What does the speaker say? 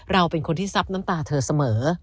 เราเป็นคนที่ซับน้ำตาเธอเสมอ